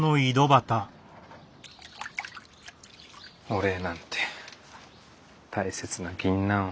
お礼なんて大切な銀杏を。